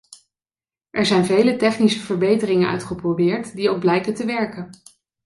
Er zijn vele technische verbeteringen uitgeprobeerd die ook blijken te werken.